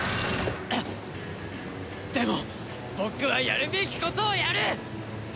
でも僕はやるべきことをやる！